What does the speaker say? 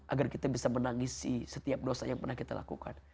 agar kita bisa menangisi setiap dosa yang pernah kita lakukan